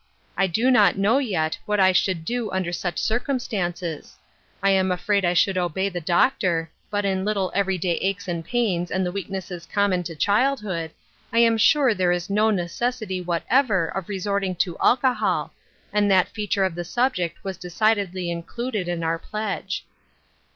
I do not know yet what I should do under such circumstances. I am afraid I should obey the doctor, but in little every day aches and pains, and the weaknesses common to childhood, I am sure there is no ne cessity whatever for resorting to alcohol, and that feature of the subject was decidedly included in our pledge."